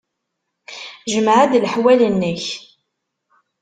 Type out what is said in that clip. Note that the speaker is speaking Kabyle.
Jmeɛ-d leḥwal-nnek.